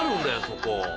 そこ。